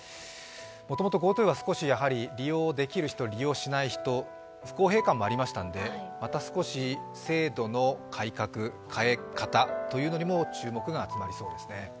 もともとＧｏＴｏは利用できる人利用しない人、不公平感もありましたので、また少し、制度の改革変え方というのにも注目が集まりそうですね。